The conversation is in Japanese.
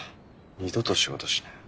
二度と仕事しない。